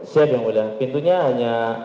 siap yang udah pintunya hanya